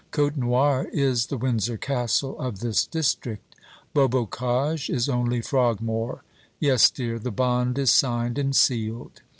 Côtenoir is the Windsor Castle of this district; Beaubocage is only Frogmore. Yes, dear, the bond is signed and sealed.